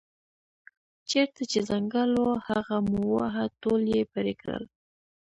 چېرته چې ځنګل و هغه مو وواهه ټول یې پرې کړل.